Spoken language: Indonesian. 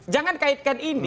jangan kaitkan ini